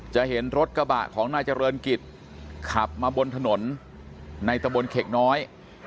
จะเห็นรถกระบะของนายเจริญกิจขับมาบนถนนในตะบนเข็กน้อย